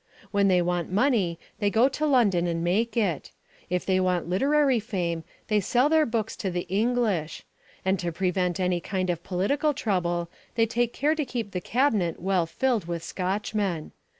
When they want money they go to London and make it; if they want literary fame they sell their books to the English; and to prevent any kind of political trouble they take care to keep the Cabinet well filled with Scotchmen.